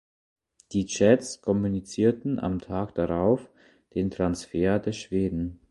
Die Jets kommunizierten am Tag darauf den Transfer des Schweden.